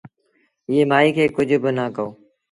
ايٚئي مآئيٚ کي ڪجھ با نآ ڪهو